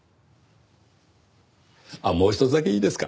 あっもうひとつだけいいですか？